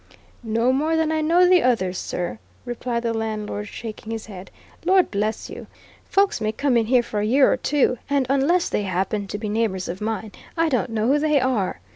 "No more than I know the others', sir," replied the landlord, shaking his head. "Lord bless you, folks may come in here for a year or two, and unless they happen to be neighbours of mine, I don't know who they are.